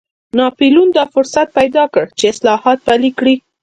ناپلیون دا فرصت پیدا کړ چې اصلاحات پلي کړي.